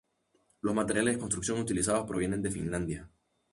Los materiales de construcción utilizados provienen de Finlandia.